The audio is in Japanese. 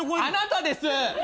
あなたです！